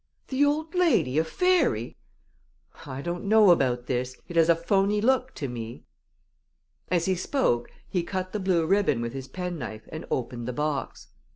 "The old lady a fairy? I don't know about this it has a phony look to me!" As he spoke he cut the blue ribbon with his penknife and opened the box.